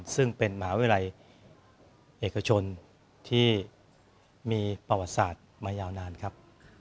ซึ่งเป็นมหาวิทยาลัยเอกชนที่มีประวัติศาสตร์มายาวนานครับ